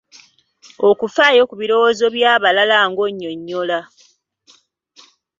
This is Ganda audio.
Okufaayo ku birowoozo by'abalala ng'onyonnyola.